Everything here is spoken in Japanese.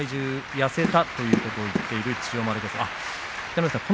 痩せたということを言っている千代丸です。